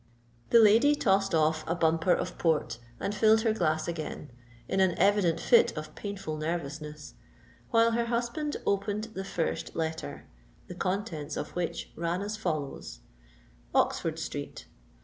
The lady tossed off a bumper of Port, and filled her glass again, in an evident fit of painful nervousness; while her husband opened the first letter, the contents of which ran as follow:— _Oxford Street.